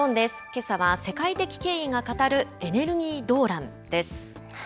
けさは、世界的権威が語るエネルギー動乱です。